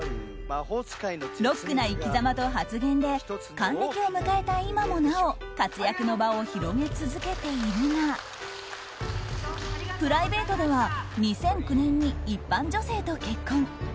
ロックな生きざまと発言で還暦を迎えた今もなお活躍の場を広げ続けているがプライベートでは２００９年に一般女性と結婚。